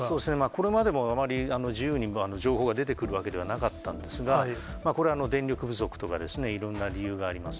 これまでもあまり自由に情報が出てくるわけじゃなかったんですが、これは電力不足とかですね、いろんな理由があります。